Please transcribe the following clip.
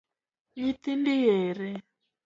Nyithindi ere?